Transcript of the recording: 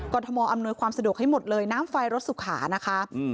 ทมอำนวยความสะดวกให้หมดเลยน้ำไฟรถสุขานะคะ